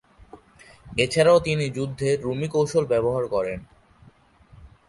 এছাড়াও তিনি যুদ্ধে রুমি কৌশল ব্যবহার করেন।